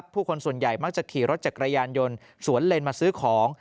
ผู้คนส่วนใหญ่มักจะขี่รถจักรยานยนต์สวนเลนมาซื้อของ